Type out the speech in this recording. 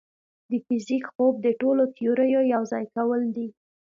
د فزیک خوب د ټولو تیوريو یوځای کول دي.